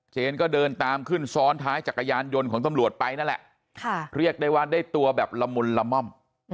เจนก็เดินตามขึ้นซ้อนท้ายจักรยานยนต์ของตำรวจไปนั่นแหละเรียกได้ว่าได้ตัวแบบละมุนละม่อม